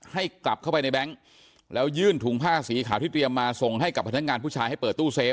ให้กลับเข้าไปในแบงค์แล้วยื่นถุงผ้าสีขาวที่เตรียมมาส่งให้กับพนักงานผู้ชายให้เปิดตู้เซฟ